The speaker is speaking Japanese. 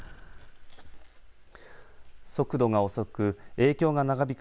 速度が遅く影響が長引く